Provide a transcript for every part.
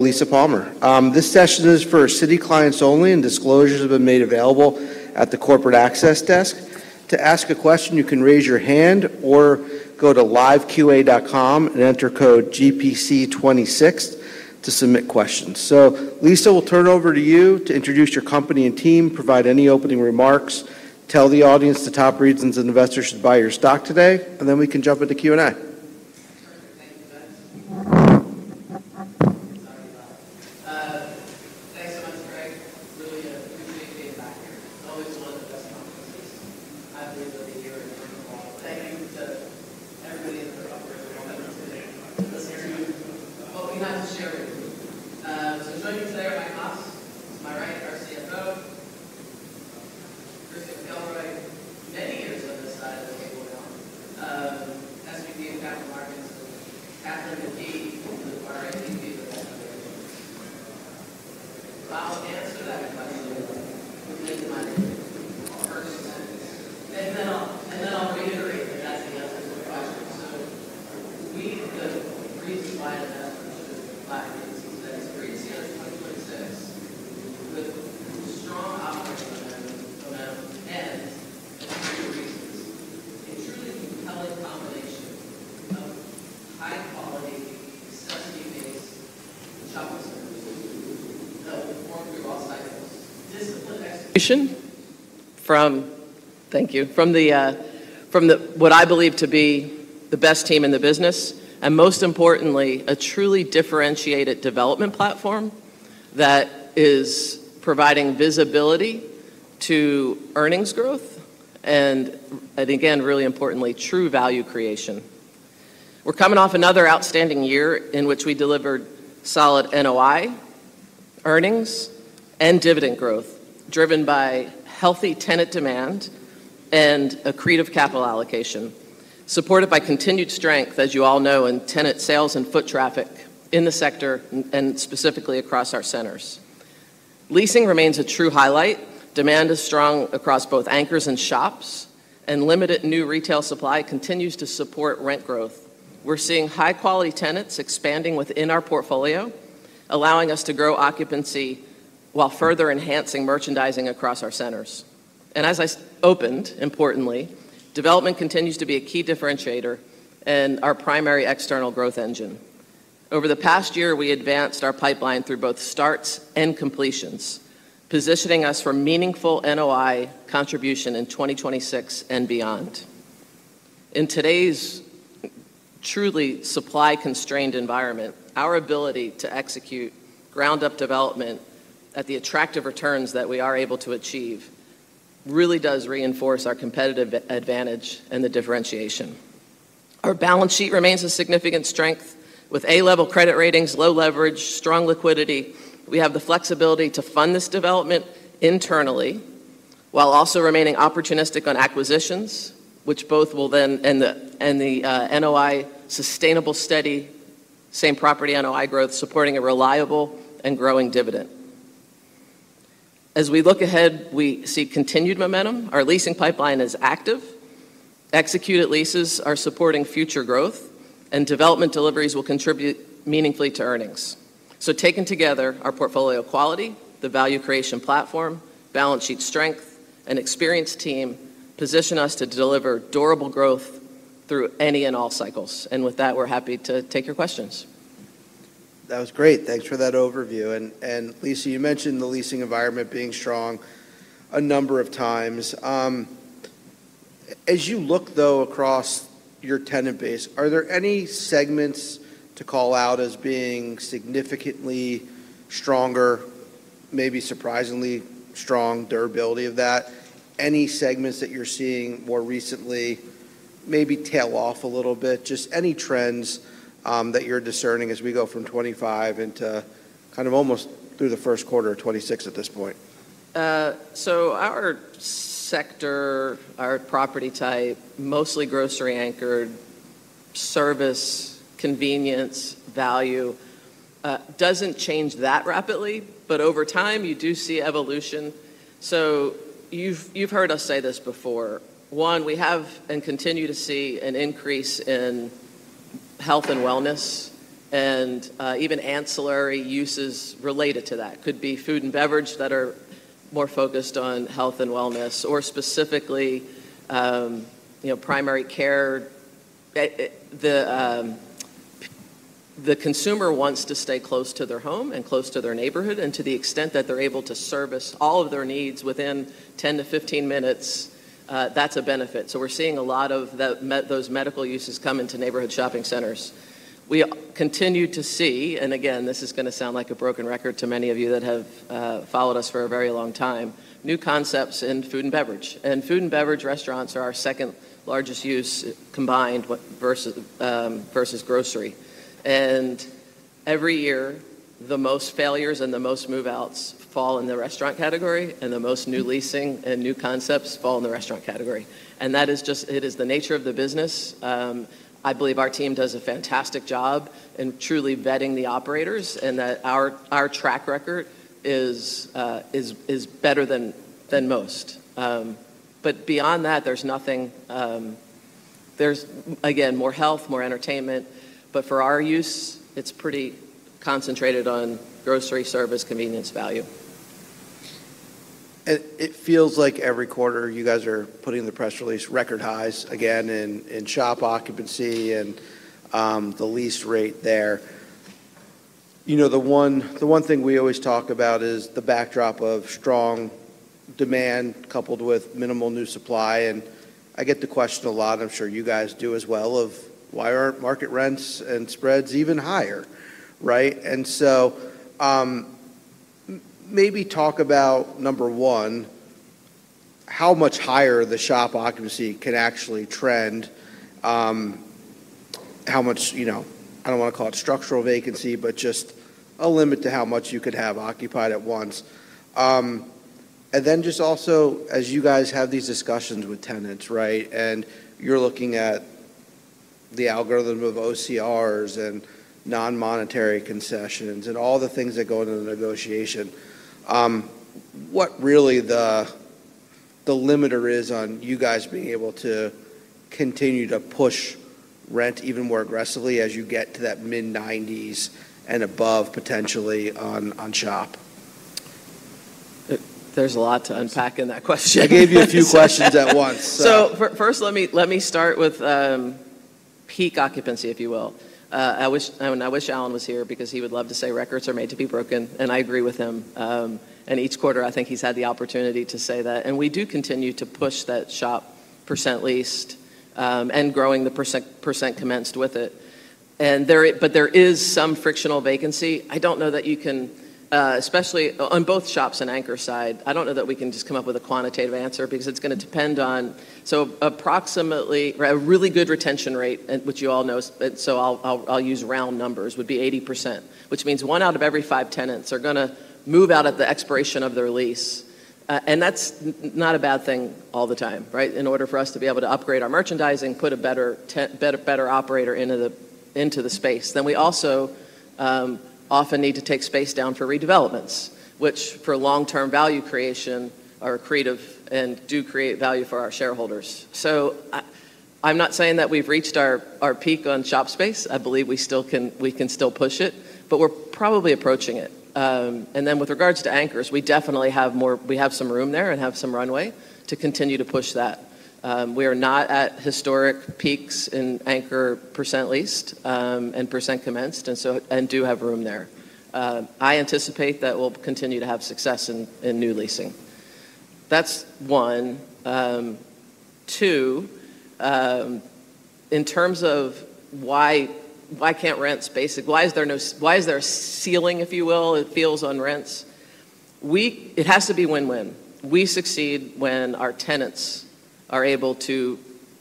Lisa Palmer. This session is for Citi clients only. Disclosures have been made available at the corporate access desk. To ask a question, you can raise your hand or go to liveqa.com and enter code GPC26 to submit questions. Lisa, we'll turn over to you to introduce your company and team, provide any opening remarks, tell the audience the top reasons an investor should buy your stock today. Then we can jump into Q&A. Sure thing, Vince. Sorry about that. Thanks so much, Greg. It's really a driven by healthy tenant demand and accretive capital allocation, supported by continued strength, as you all know, in tenant sales and foot traffic in the sector and specifically across our centers. Leasing remains a true highlight. Demand is strong across both anchors and shops, and limited new retail supply continues to support rent growth. We're seeing high-quality tenants expanding within our portfolio, allowing us to grow occupancy while further enhancing merchandising across our centers. As I opened, importantly, development continues to be a key differentiator and our primary external growth engine. Over the past year, we advanced our pipeline through both starts and completions, positioning us for meaningful NOI contribution in 2026 and beyond. In today's truly supply-constrained environment, our ability to execute ground-up development at the attractive returns that we are able to achieve really does reinforce our competitive advantage and the differentiation. Our balance sheet remains a significant strength with A-level credit ratings, low leverage, strong liquidity. We have the flexibility to fund this development internally while also remaining opportunistic on acquisitions, which both will then... The NOI sustainable, steady, Same-Property NOI Growth supporting a reliable and growing dividend. We look ahead, we see continued momentum. Our leasing pipeline is active. Executed leases are supporting future growth, and development deliveries will contribute meaningfully to earnings. Taken together, our portfolio quality, the value creation platform, balance sheet strength, and experienced team position us to deliver durable growth through any and all cycles. With that, we're happy to take your questions. That was great. Thanks for that overview. Lisa, you mentioned the leasing environment being strong a number of times. As you look though across your tenant base, are there any segments to call out as being significantly stronger, maybe surprisingly strong durability of that? Any segments that you're seeing more recently maybe tail off a little bit? Just any trends that you're discerning as we go from 2025 into kind of almost through the first quarter of 2026 at this point? Our sector, our property type, mostly grocery-anchored service, convenience, value, doesn't change that rapidly, but over time, you do see evolution. You've heard us say this before. One, we have and continue to see an increase in health and wellness and even ancillary uses related to that. Could be food and beverage that are more focused on health and wellness or specifically, you know, primary care. The consumer wants to stay close to their home and close to their neighborhood, and to the extent that they're able to service all of their needs within 10 minutes-15 minutes, that's a benefit. We're seeing a lot of those medical uses come into neighborhood shopping centers. We continue to see, and again, this is gonna sound like a broken record to many of you that have followed us for a very long time, new concepts in food and beverage. Food and beverage restaurants are our second-largest use combined with versus versus grocery. Every year, the most failures and the most move-outs fall in the restaurant category, and the most new leasing and new concepts fall in the restaurant category. That is it is the nature of the business. I believe our team does a fantastic job in truly vetting the operators and that our track record is better than most. Beyond that, there's nothing, There's, again, more health, more entertainment, but for our use, it's pretty concentrated on grocery service, convenience, value. It feels like every quarter you guys are putting in the press release record highs again in shop occupancy and the lease rate there. You know, the one thing we always talk about is the backdrop of strong demand coupled with minimal new supply. I get the question a lot, and I'm sure you guys do as well, of why aren't market rents and spreads even higher, right? Maybe talk about, number one, how much higher the shop occupancy can actually trend, how much, you know, I don't wanna call it structural vacancy, but just a limit to how much you could have occupied at once. Just also, as you guys have these discussions with tenants, right, and you're looking at the algorithm of OCRs and non-monetary concessions and all the things that go into the negotiation, what really the limiter is on you guys being able to continue to push rent even more aggressively as you get to that mid-nineties and above potentially on shop? There's a lot to unpack in that question. I gave you a few questions at once, so. First let me, let me start with peak occupancy, if you will. I mean, I wish Alan was here because he would love to say records are made to be broken, and I agree with him. Each quarter, I think he's had the opportunity to say that. We do continue to push that shop percent leased and growing the percentage commenced with it. There is some frictional vacancy. I don't know that you can, especially on both shops and anchor side, I don't know that we can just come up with a quantitative answer because it's gonna depend on... Approximately, or a really good retention rate, and which you all know, I'll use round numbers, would be 80%, which means one out of every five tenants are gonna move out at the expiration of their lease. That's not a bad thing all the time, right? In order for us to be able to upgrade our merchandising, put a better operator into the space. We also often need to take space down for redevelopments, which for long-term value creation are creative and do create value for our shareholders. I'm not saying that we've reached our peak on shop space. I believe we still can push it, but we're probably approaching it. With regards to anchors, we definitely have some room there and have some runway to continue to push that. We are not at historic peaks in anchor percent leased, and percent commenced, and do have room there. I anticipate that we'll continue to have success in new leasing. That's one. Two, in terms of why is there a ceiling, if you will, it feels, on rents? It has to be win-win. We succeed when our tenants are able to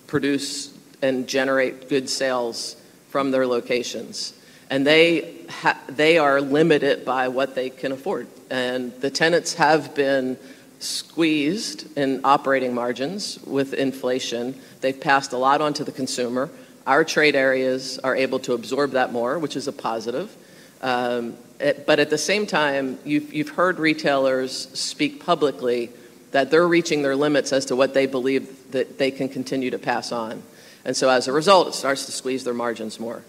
produce and generate good sales from their locations, and they are limited by what they can afford. The tenants have been squeezed in operating margins with inflation. They've passed a lot on to the consumer. Our trade areas are able to absorb that more, which is a positive. At the same time, you've heard retailers speak publicly that they're reaching their limits as to what they believe that they can continue to pass on. As a result, it starts to squeeze their margins more.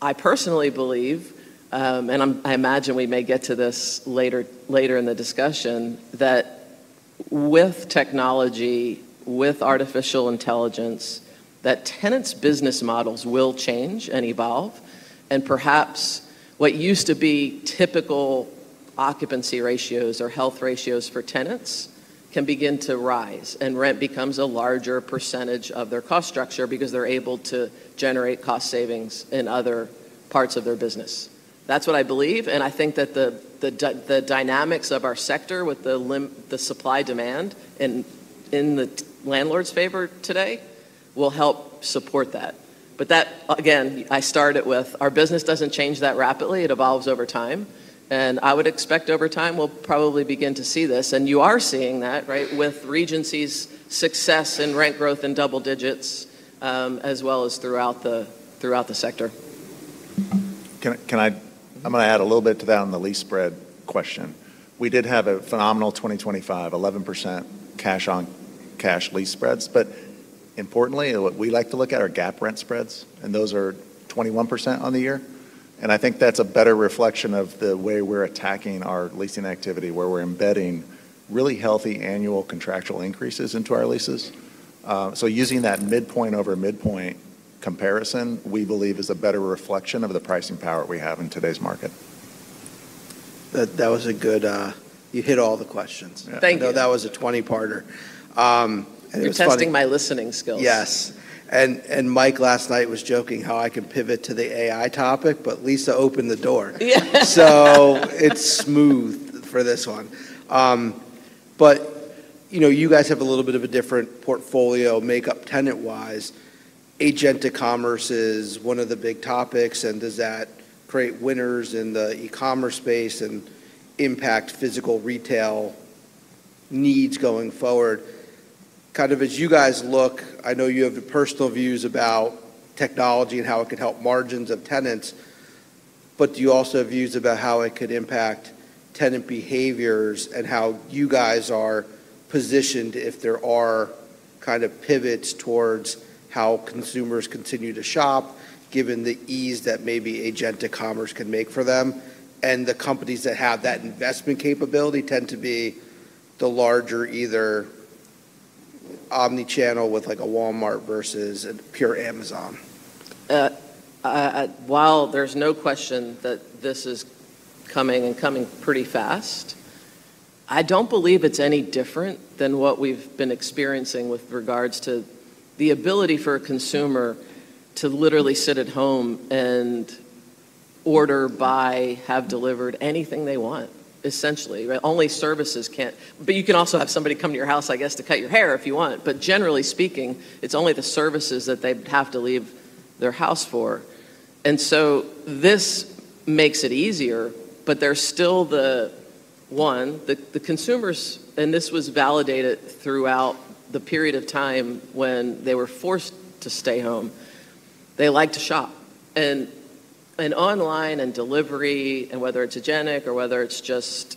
I personally believe, and I imagine we may get to this later in the discussion, that with technology, with artificial intelligence, that tenants' business models will change and evolve, and perhaps what used to be typical occupancy ratios or health ratios for tenants can begin to rise, and rent becomes a larger percentage of their cost structure because they're able to generate cost savings in other parts of their business. That's what I believe, and I think that the dynamics of our sector with the supply-demand in the landlord's favor today will help support that. That, again, I started with our business doesn't change that rapidly. It evolves over time. I would expect over time we'll probably begin to see this. You are seeing that, right, with Regency's success in rent growth in double digits, as well as throughout the sector. I'm gonna add a little bit to that on the lease spread question. We did have a phenomenal 2025, 11% cash-on-cash lease spreads. Importantly, what we like to look at are GAAP rent spreads, and those are 21% on the year, and I think that's a better reflection of the way we're attacking our leasing activity, where we're embedding really healthy annual contractual increases into our leases. Using that midpoint over midpoint comparison, we believe, is a better reflection of the pricing power we have in today's market. That was a good. You hit all the questions. Thank you. I know that was a 20-parter. You're testing my listening skills. Yes. Mike last night was joking how I could pivot to the AI topic. Lisa opened the door. Yeah. It's smooth for this one. you know, you guys have a little bit of a different portfolio makeup tenant-wise. Agentic Commerce is one of the big topics, and does that create winners in the e-commerce space and impact physical retail needs going forward? As you guys look, I know you have personal views about technology and how it could help margins of tenants. Do you also have views about how it could impact tenant behaviors and how you guys are positioned if there are kind of pivots towards how consumers continue to shop, given the ease that maybe Agentic Commerce can make for them? The companies that have that investment capability tend to be the larger either omni-channel with like a Walmart versus a pure Amazon. While there's no question that this is coming and coming pretty fast, I don't believe it's any different than what we've been experiencing with regards to the ability for a consumer to literally sit at home and order, buy, have delivered anything they want, essentially. Only services can't. You can also have somebody come to your house, I guess, to cut your hair if you want. Generally speaking, it's only the services that they have to leave their house for. This makes it easier, but there's still the, one, the consumers, and this was validated throughout the period of time when they were forced to stay home, they like to shop. Online and delivery, and whether it's agentic or whether it's just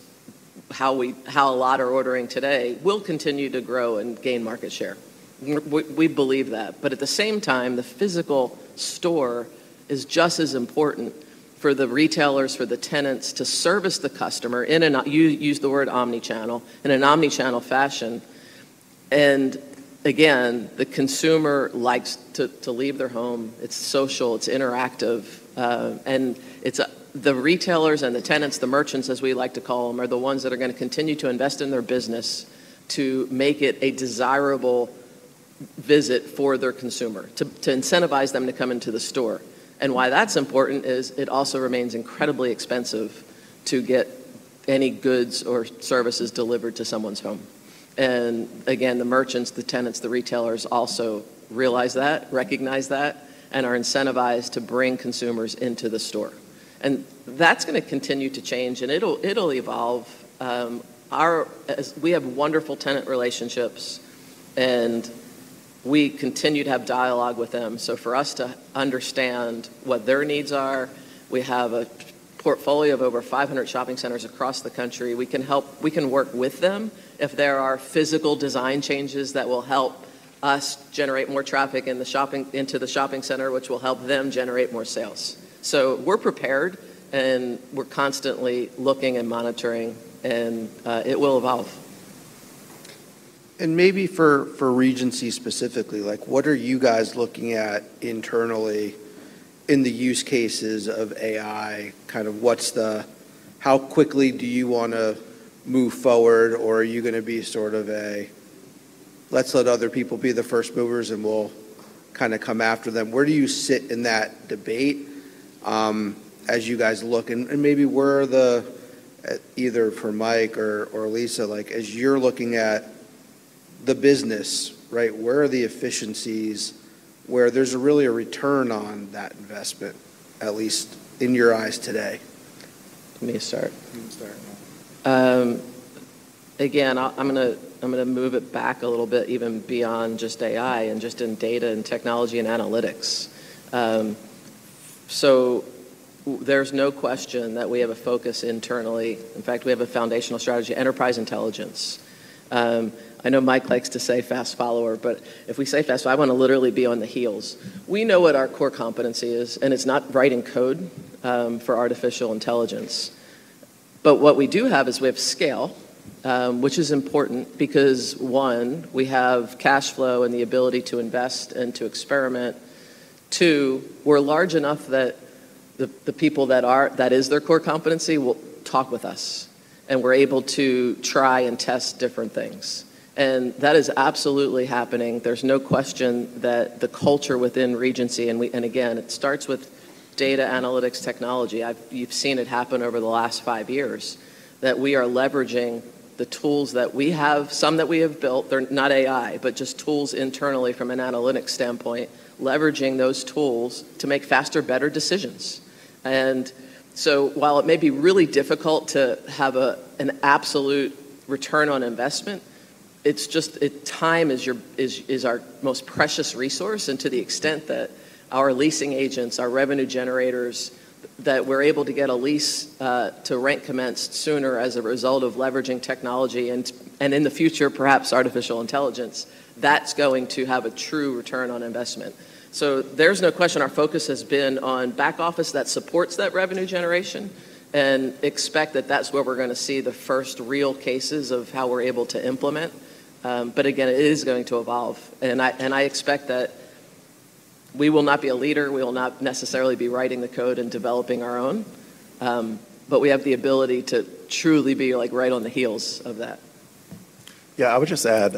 how a lot are ordering today, will continue to grow and gain market share. We believe that. But at the same time, the physical store is just as important for the retailers, for the tenants to service the customer in an you used the word omni-channel, in an omni-channel fashion. Again, the consumer likes to leave their home. It's social, it's interactive, and it's... The retailers and the tenants, the merchants, as we like to call them, are the ones that are gonna continue to invest in their business to make it a desirable visit for their consumer, to incentivize them to come into the store. Why that's important is it also remains incredibly expensive to get any goods or services delivered to someone's home. Again, the merchants, the tenants, the retailers also realize that, recognize that, and are incentivized to bring consumers into the store. That's gonna continue to change, and it'll evolve. We have wonderful tenant relationships, and we continue to have dialogue with them. For us to understand what their needs are, we have a portfolio of over 500 shopping centers across the country. We can work with them if there are physical design changes that will help us generate more traffic into the shopping center, which will help them generate more sales. We're prepared, and we're constantly looking and monitoring, and it will evolve. Maybe for Regency specifically, like, what are you guys looking at internally in the use cases of AI? How quickly do you wanna move forward, or are you gonna be sort of a, "Let's let other people be the first movers, and we'll kinda come after them"? Where do you sit in that debate, as you guys look? And maybe where are the, either for Mike or Lisa, like, as you're looking at the business, right, where are the efficiencies where there's really a return on that investment, at least in your eyes today? Let me start. You can start. Again, I'm gonna, I'm gonna move it back a little bit even beyond just AI and just in data and technology and analytics. There's no question that we have a focus internally. In fact, we have a foundational strategy, enterprise intelligence. I know Mike likes to say fast follower, but if we say fast, I wanna literally be on the heels. We know what our core competency is, and it's not writing code for artificial intelligence. What we do have is we have scale, which is important because, one, we have cash flow and the ability to invest and to experiment. Two, we're large enough that the people that is their core competency will talk with us, and we're able to try and test different things. That is absolutely happening. There's no question that the culture within Regency, again, it starts with data analytics technology. You've seen it happen over the last five years, that we are leveraging the tools that we have, some that we have built. They're not AI, but just tools internally from an analytics standpoint, leveraging those tools to make faster, better decisions. While it may be really difficult to have an absolute return on investment, it's just, Time is our most precious resource. To the extent that our leasing agents, our revenue generators, that we're able to get a lease to rent commenced sooner as a result of leveraging technology, and in the future, perhaps artificial intelligence, that's going to have a true return on investment. There's no question our focus has been on back office that supports that revenue generation, and expect that that's where we're gonna see the first real cases of how we're able to implement. Again, it is going to evolve, and I, and I expect that we will not be a leader. We will not necessarily be writing the code and developing our own. We have the ability to truly be, like, right on the heels of that. Yeah. I would just add,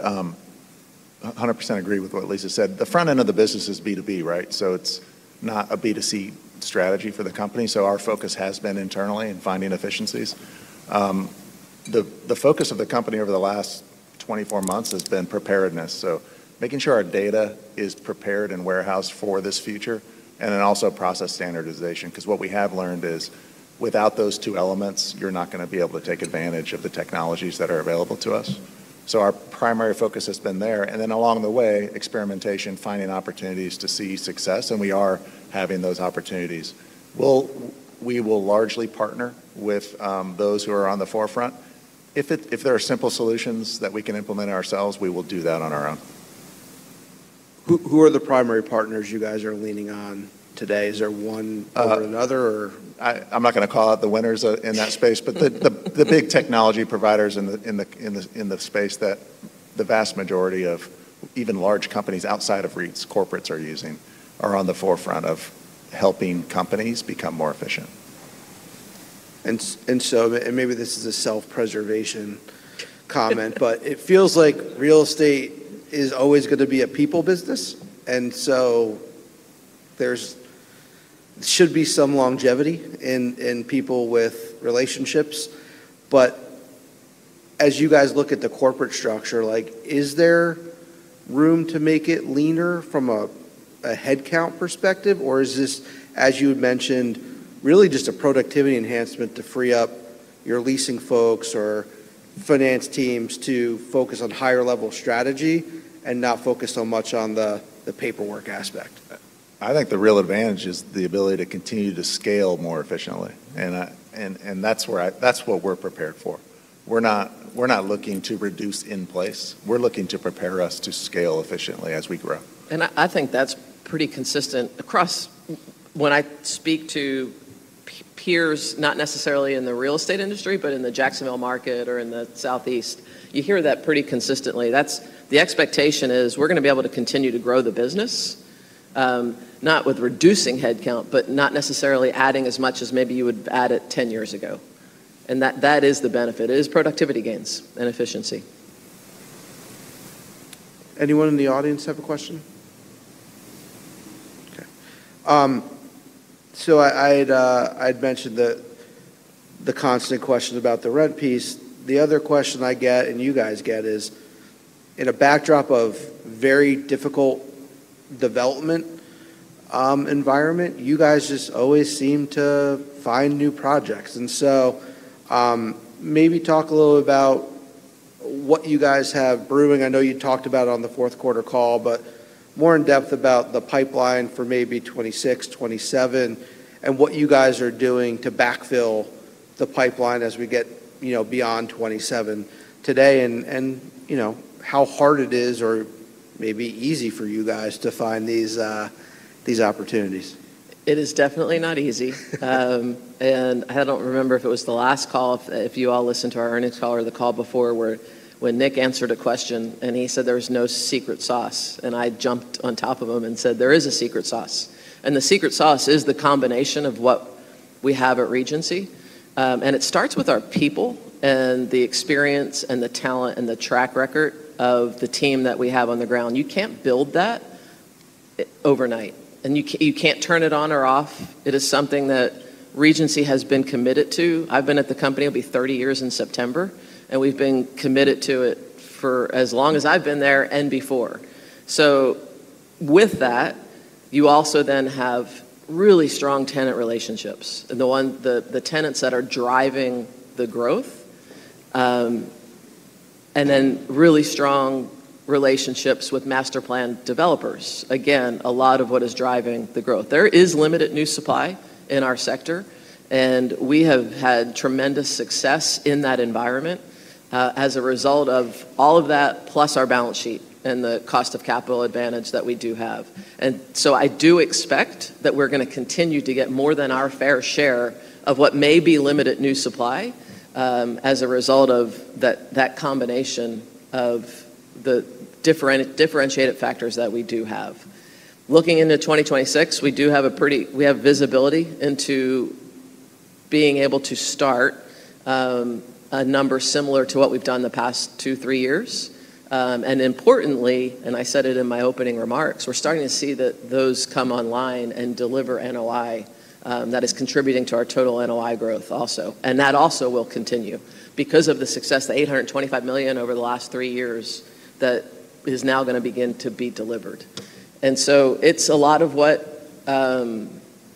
100% agree with what Lisa said. The front end of the business is B2B, right? It's not a B2C strategy for the company, so our focus has been internally in finding efficiencies. The focus of the company over the last 24 months has been preparedness, so making sure our data is prepared and warehoused for this future, and then also process standardization. Because what we have learned is, without those two elements, you're not gonna be able to take advantage of the technologies that are available to us. Our primary focus has been there, and then along the way, experimentation, finding opportunities to see success, and we are having those opportunities. We will largely partner with those who are on the forefront. If there are simple solutions that we can implement ourselves, we will do that on our own. Who are the primary partners you guys are leaning on today? Is there one over another or...? I'm not gonna call out the winners, in that space. The big technology providers in the space that the vast majority of even large companies outside of REITs corporates are using are on the forefront of helping companies become more efficient. and maybe this is a self-preservation comment. It feels like real estate is always gonna be a people business, and so there should be some longevity in people with relationships. As you guys look at the corporate structure, like, is there room to make it leaner from a headcount perspective, or is this, as you had mentioned, really just a productivity enhancement to free up your leasing folks or finance teams to focus on higher level strategy and not focus so much on the paperwork aspect? I think the real advantage is the ability to continue to scale more efficiently, and that's what we're prepared for. We're not looking to reduce in place. We're looking to prepare us to scale efficiently as we grow. I think that's pretty consistent across when I speak to peers, not necessarily in the real estate industry, but in the Jacksonville market or in the Southeast, you hear that pretty consistently. The expectation is we're gonna be able to continue to grow the business, not with reducing headcount, but not necessarily adding as much as maybe you would add it 10 years ago, and that is the benefit. It is productivity gains and efficiency. Anyone in the audience have a question? Okay. I'd mentioned the constant question about the rent piece. The other question I get and you guys get is, in a backdrop of very difficult development environment, you guys just always seem to find new projects. Maybe talk a little about what you guys have brewing. I know you talked about it on the fourth quarter call, but more in depth about the pipeline for maybe 2026, 2027, and what you guys are doing to backfill the pipeline as we get, you know, beyond 2027 today and, you know, how hard it is or maybe easy for you guys to find these opportunities. It is definitely not easy. I don't remember if it was the last call, if you all listened to our earnings call or the call before where when Nick answered a question, and he said there was no secret sauce, and I jumped on top of him and said, "There is a secret sauce." The secret sauce is the combination of what we have at Regency, it starts with our people and the experience and the talent and the track record of the team that we have on the ground. You can't build that overnight, you can't turn it on or off. It is something that Regency has been committed to. I've been at the company, it'll be 30 years in September, we've been committed to it for as long as I've been there and before. With that, you also then have really strong tenant relationships, the tenants that are driving the growth, and then really strong relationships with master plan developers. A lot of what is driving the growth. There is limited new supply in our sector. We have had tremendous success in that environment, as a result of all of that plus our balance sheet and the cost of capital advantage that we do have. I do expect that we're gonna continue to get more than our fair share of what may be limited new supply, as a result of that combination of the differentiated factors that we do have. Looking into 2026, we have visibility into being able to start a number similar to what we've done the past two, three years. Importantly, and I said it in my opening remarks, we're starting to see those come online and deliver NOI that is contributing to our total NOI growth also. That also will continue because of the success, the $825 million over the last three years that is now gonna begin to be delivered. It's a lot of what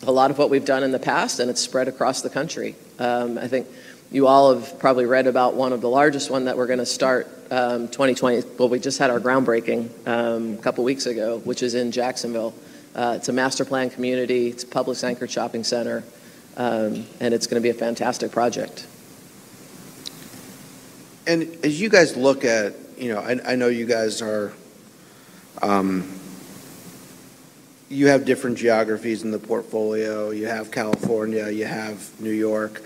a lot of what we've done in the past, and it's spread across the country. I think you all have probably read about one of the largest one that we're gonna start. Well, we just had our groundbreaking a couple weeks ago, which is in Jacksonville. It's a master plan community. It's a Publix anchored shopping center, and it's gonna be a fantastic project. As you guys look at, you know, I know you guys are, you have different geographies in the portfolio. You have California. You have New York.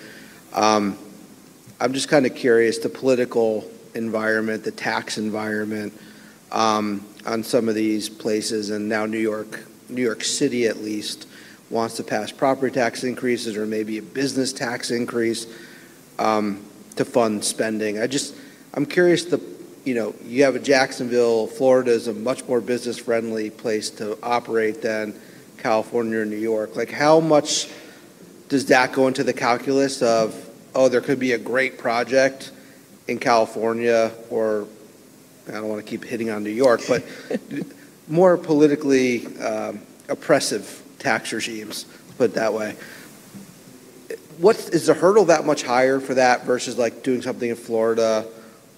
I'm just kinda curious, the political environment, the tax environment, on some of these places, and now New York, New York City at least wants to pass property tax increases or maybe a business tax increase, to fund spending. I'm curious the, you know, you have a Jacksonville. Florida is a much more business-friendly place to operate than California or New York. How much does that go into the calculus of, oh, there could be a great project in California, or I don't wanna keep hitting on New York, but more politically oppressive tax regimes, put it that way? Is the hurdle that much higher for that versus, like, doing something in Florida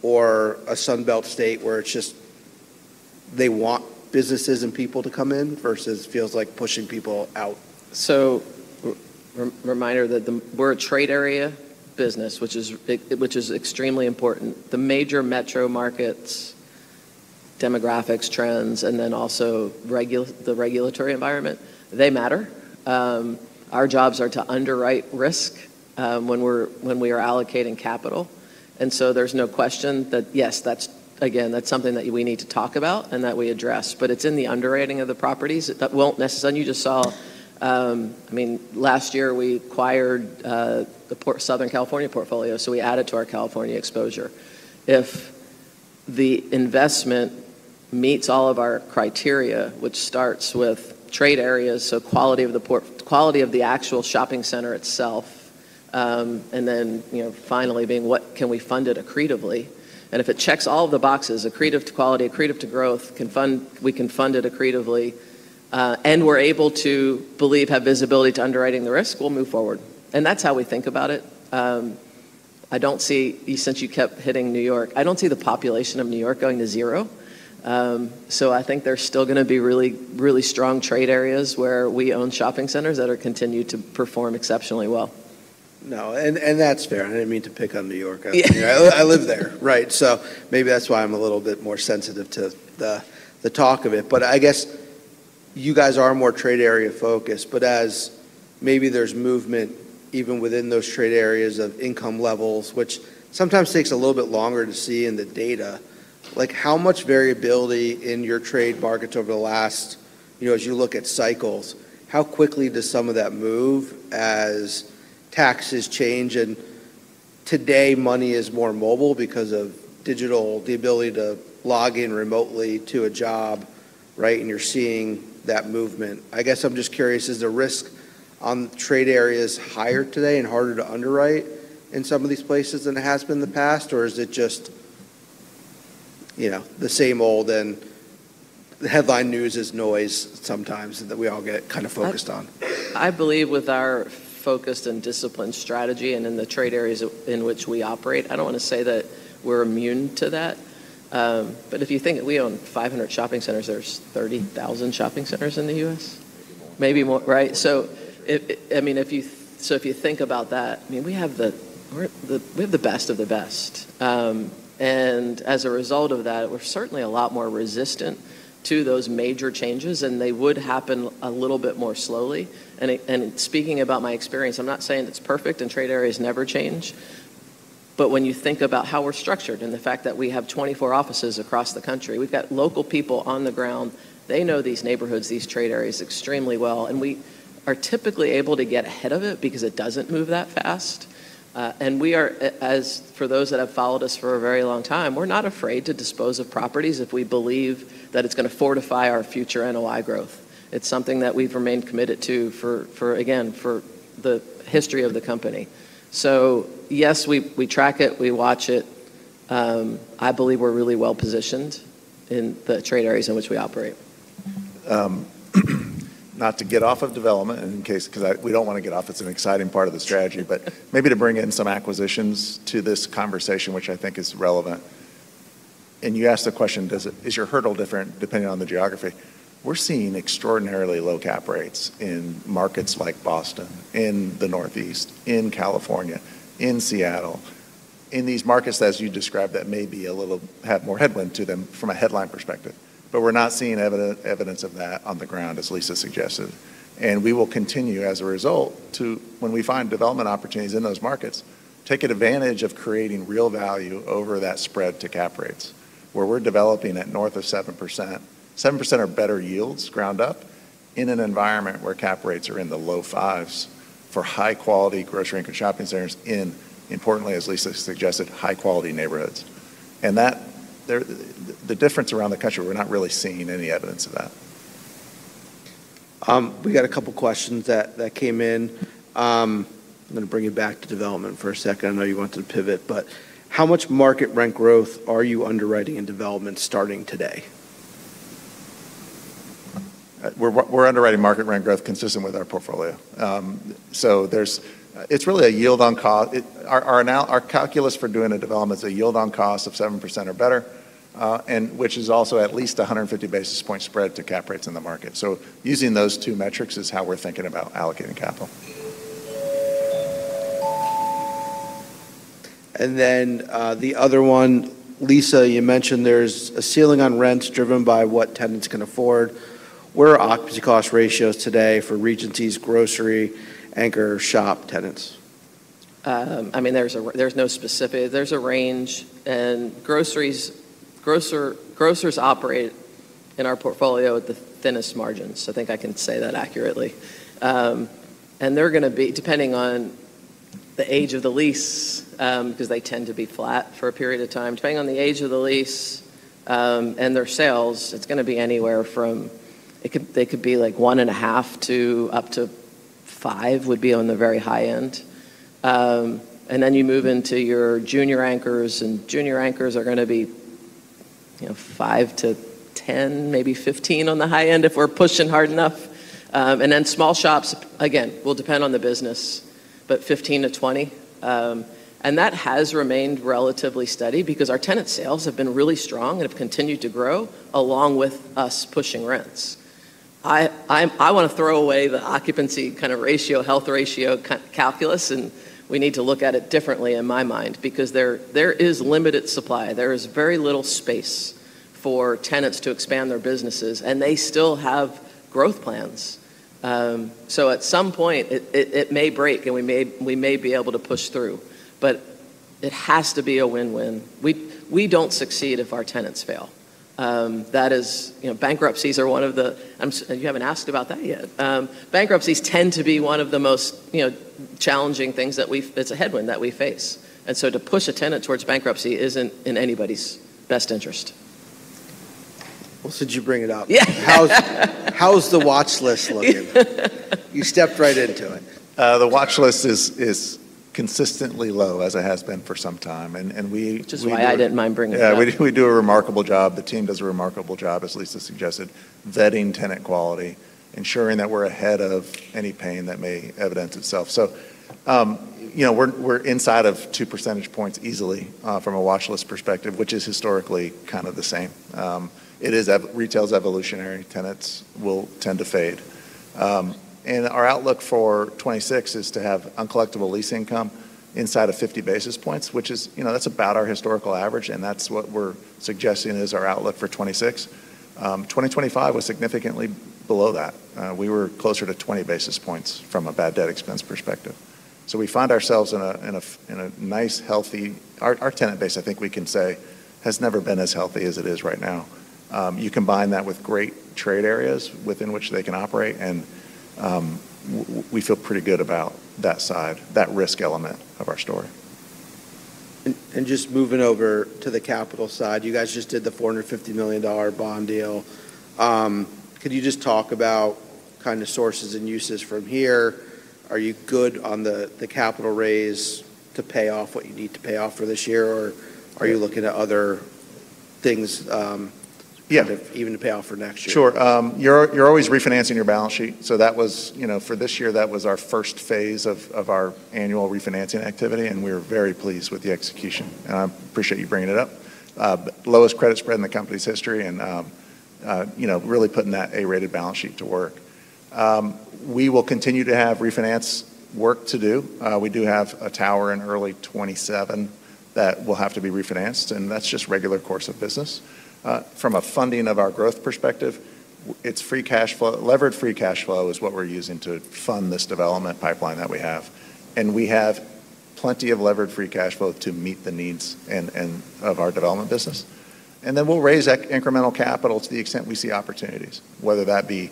or a Sun Belt state where it's just they want businesses and people to come in versus feels like pushing people out? Re-reminder that we're a trade area business, which is extremely important. The major metro markets, demographics, trends, then also the regulatory environment, they matter. Our jobs are to underwrite risk when we are allocating capital. There's no question that, yes, again, that's something that we need to talk about and that we address. It's in the underwriting of the properties that won't necessarily... You just saw, I mean, last year we acquired the Southern California portfolio, so we added to our California exposure. If the investment meets all of our criteria, which starts with trade areas, so quality of the actual shopping center itself, and then, you know, finally being what can we fund it accretively. If it checks all the boxes, accretive to quality, accretive to growth, we can fund it accretively, and we're able to believe have visibility to underwriting the risk, we'll move forward. That's how we think about it. Since you kept hitting New York, I don't see the population of New York going to zero, so I think there's still gonna be really, really strong trade areas where we own shopping centers that are continued to perform exceptionally well. No, and that's fair. I didn't mean to pick on New York. Yeah. I live there, right? Maybe that's why I'm a little bit more sensitive to the talk of it. I guess you guys are more trade area-focused, but as maybe there's movement even within those trade areas of income levels, which sometimes takes a little bit longer to see in the data, like, how much variability in your trade markets over the last, you know, as you look at cycles, how quickly does some of that move as taxes change? Today money is more mobile because of digital, the ability to log in remotely to a job, right? You're seeing that movement. I guess I'm just curious, is the risk on trade areas higher today and harder to underwrite in some of these places than it has been in the past? Is it just, you know, the same old and the headline news is noise sometimes that we all get kind of focused on? I believe with our focused and disciplined strategy and in the trade areas in which we operate, I don't want to say that we're immune to that. If you think we own 500 shopping centers, there's 30,000 shopping centers in the U.S. Maybe more. Maybe more, right? I mean, if you think about that, I mean, we have the best of the best. As a result of that, we're certainly a lot more resistant to those major changes, and they would happen a little bit more slowly. Speaking about my experience, I'm not saying it's perfect and trade areas never change, but when you think about how we're structured and the fact that we have 24 offices across the country, we've got local people on the ground. They know these neighborhoods, these trade areas extremely well, and we are typically able to get ahead of it because it doesn't move that fast. We are for those that have followed us for a very long time, we're not afraid to dispose of properties if we believe that it's gonna fortify our future NOI growth. It's something that we've remained committed to for, again, for the history of the company. Yes, we track it, we watch it. I believe we're really well-positioned in the trade areas in which we operate. Not to get off of development, we don't wanna get off, it's an exciting part of the strategy, maybe to bring in some acquisitions to this conversation, which I think is relevant. You asked the question, "Is your hurdle different depending on the geography?" We're seeing extraordinarily low cap rates in markets like Boston, in the Northeast, in California, in Seattle. In these markets, as you described, that may be a little have more headwind to them from a headline perspective, we're not seeing evidence of that on the ground, as Lisa Palmer suggested. We will continue, as a result, to, when we find development opportunities in those markets, taking advantage of creating real value over that spread to cap rates, where we're developing at north of 7%. 7% are better yields ground up in an environment where cap rates are in the low 5s for high-quality grocery anchor shopping centers in, importantly, as Lisa suggested, high-quality neighborhoods. That, the difference around the country, we're not really seeing any evidence of that. We got a couple questions that came in. I'm gonna bring you back to development for a second. I know you wanted to pivot, how much market rent growth are you underwriting in development starting today? We're underwriting market rent growth consistent with our portfolio. Our calculus for doing a development is a Yield on Cost of 7% or better, which is also at least 150 basis point spread to cap rates in the market. Using those two metrics is how we're thinking about allocating capital. The other one, Lisa, you mentioned there's a ceiling on rents driven by what tenants can afford. Where are occupancy cost ratios today for Regency's grocery anchor shop tenants? I mean, there's no specific. There's a range, groceries, grocers operate in our portfolio at the thinnest margins. I think I can say that accurately. They're gonna be, depending on the age of the lease, 'cause they tend to be flat for a period of time. Depending on the age of the lease, and their sales, it's gonna be anywhere from. They could be, like, 1.5% to up to 5% would be on the very high end. Then you move into your junior anchors, junior anchors are gonna be. You know, 5%-10%, maybe 15% on the high end if we're pushing hard enough. Then small shops, again, will depend on the business, but 15%-20%. That has remained relatively steady because our tenant sales have been really strong and have continued to grow along with us pushing rents. I wanna throw away the occupancy kinda ratio, health ratio calculus, we need to look at it differently in my mind because there is limited supply. There is very little space for tenants to expand their businesses, they still have growth plans. At some point, it may break, we may be able to push through, it has to be a win-win. We don't succeed if our tenants fail. That is. You know, bankruptcies are one of the. You haven't asked about that yet. Bankruptcies tend to be one of the most, you know, challenging things. It's a headwind that we face. To push a tenant towards bankruptcy isn't in anybody's best interest. Well, since you bring it up. Yeah. How's the watchlist looking? You stepped right into it. The watchlist is consistently low, as it has been for some time, and we. Which is why I didn't mind bringing it up. Yeah, we do a remarkable job. The team does a remarkable job, as Lisa suggested, vetting tenant quality, ensuring that we're ahead of any pain that may evidence itself. You know, we're inside of 2 percentage points easily from a watchlist perspective, which is historically kind of the same. Retail's evolutionary. Tenants will tend to fade. Our outlook for 2026 is to have uncollectible lease income inside of 50 basis points, which is You know, that's about our historical average, and that's what we're suggesting is our outlook for 2026. 2025 was significantly below that. We were closer to 20 basis points from a bad debt expense perspective. We find ourselves in a nice, healthy Our tenant base, I think we can say, has never been as healthy as it is right now. You combine that with great trade areas within which they can operate, we feel pretty good about that side, that risk element of our story. Just moving over to the capital side, you guys just did the $450 million bond deal. Could you just talk about kind of sources and uses from here? Are you good on the capital raise to pay off what you need to pay off for this year, or are you looking at other things? Yeah... even to pay off for next year? Sure. You're always refinancing your balance sheet. You know, for this year, that was our first phase of our annual refinancing activity, we're very pleased with the execution. I appreciate you bringing it up. Lowest credit spread in the company's history, you know, really putting that A-rated balance sheet to work. We will continue to have refinance work to do. We do have a tower in early 2027 that will have to be refinanced, that's just regular course of business. From a funding of our growth perspective, it's free cash flow. Levered free cash flow is what we're using to fund this development pipeline that we have, we have plenty of levered free cash flow to meet the needs of our development business. Then we'll raise incremental capital to the extent we see opportunities, whether that be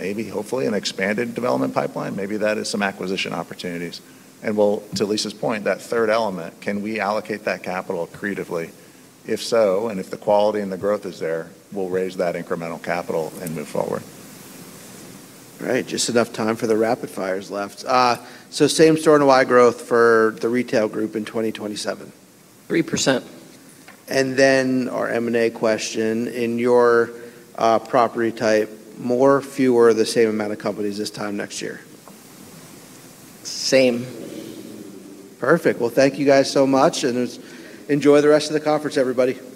maybe hopefully an expanded development pipeline, maybe that is some acquisition opportunities. We'll, to Lisa's point, that third element, can we allocate that capital creatively? If so, and if the quality and the growth is there, we'll raise that incremental capital and move forward. All right. Just enough time for the rapid fires left. Same-Store NOI Growth for the retail group in 2027. 3%. Our M&A question. In your property type, more, fewer, the same amount of companies this time next year? Same. Perfect. Well, thank you guys so much, and just enjoy the rest of the conference, everybody. Thank you.